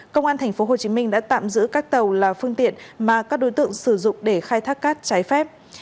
công an tp hcm đã tạm giữ các tàu là phương tiện mà các đối tượng sử dụng để khai thác cát trái phép